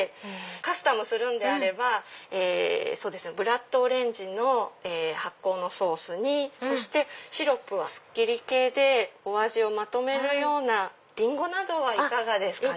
カスタムするんであればブラッドオレンジの発酵のソースにシロップはすっきり系でお味をまとめるようなリンゴなどはいかがですかね？